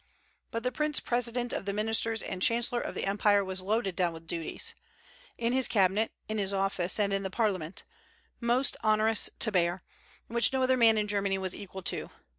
But the prince president of the ministers and chancellor of the empire was loaded down with duties in his cabinet, in his office, and in the parliament most onerous to bear, and which no other man in Germany was equal to.